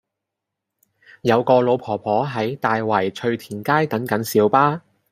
有個老婆婆喺大圍翠田街等緊小巴